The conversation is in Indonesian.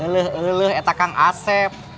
leluh etakang asep